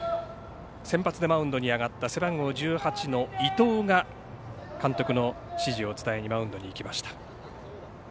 先発でマウンドに上がった背番号１８の伊藤が監督の指示を伝えにマウンドに行きました。